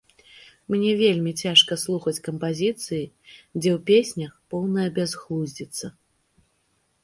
Мне вельмі цяжка слухаць кампазіцыі, дзе ў песнях поўная бязглуздзіца.